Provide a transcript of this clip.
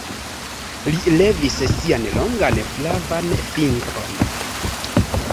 Li levis sian longan flavan fingron.